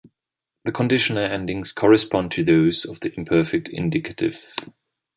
The conditional endings correspond to those of the imperfect indicative.